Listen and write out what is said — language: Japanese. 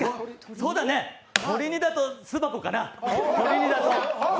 そうだね、鳥にだと巣箱かな。